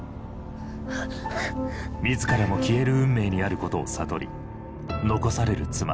自らも消える運命にあることを悟り残される妻